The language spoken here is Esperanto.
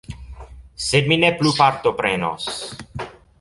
Sed mi ne plu partoprenos.